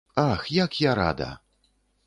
Ах, як я рада!